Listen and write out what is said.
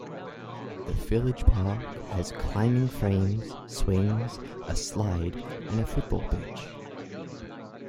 The village park has climbing frames, swings, a slide and a football pitch.